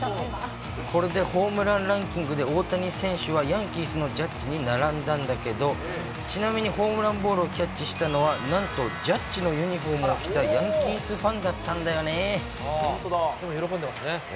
これでホームランランキングで、大谷選手はヤンキースのジャッジに並んだんだけど、ちなみにホームランボールをキャッチしたのは、なんとジャッジのユニホームを着たヤンキースファンだったんだよでも喜んでますね。